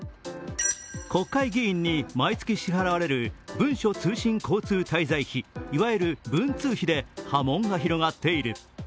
国会議員に毎月支払われる文書通信交通滞在費いわゆる文通費で波紋が広がっている。